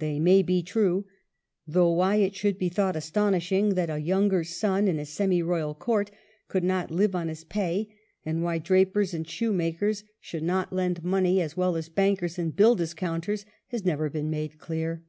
They may be true ; though why it should be thought astonishing that a younger son in a semi royal court could not live on his pay, and why drapers and shoemakers should not lend money as WELLINGTON well as bankers and bill discounters, has never been made clear.